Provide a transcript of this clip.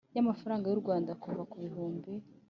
Y amafaranga y u rwanda kuva ku bihumbi